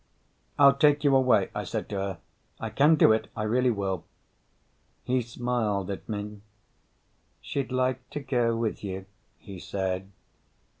"I'll take you away," I said to her. "I can do it. I really will." He smiled at me. "She'd like to go with you," he said.